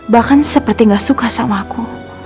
bahkan seperti gak suka sama aku